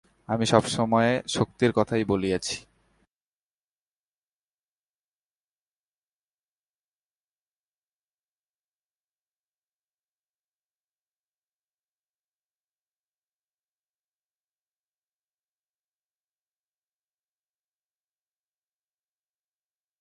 তাহার মা ও দিদি রানুদের বাড়ির দিকে ডাকিতেছে-ও অপু-উ-উ!